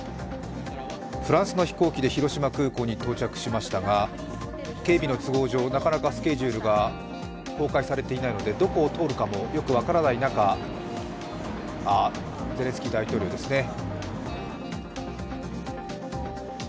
フランスの飛行機で広島空港に到着しましたが警備の都合上、なかなかスケジュールが公開されていないのでどこを通るかもよく分からない中ゼレンスキー大統領ですね。